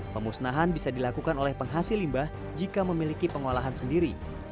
pemusnahan bisa dilakukan oleh penghasil limbah jika memiliki pengolahan sendiri